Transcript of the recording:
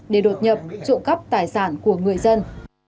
để đột nhập trộm cắp tài sản của người dân